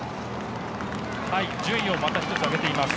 順位をまた１つ上げています。